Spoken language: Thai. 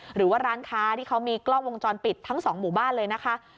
หรือว่าร้านค้าที่เขามีกล้องวงจรปิดทั้งสองหมู่บ้านเลยนะคะ